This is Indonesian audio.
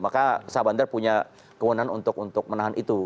maka sah bandar punya kewenangan untuk menahan itu